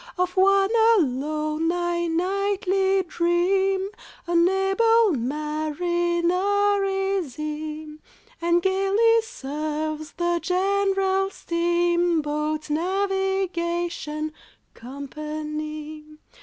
"Of one alone I nightly dream, An able mariner is he, And gaily serves the Gen'ral Steam Boat Navigation Companee.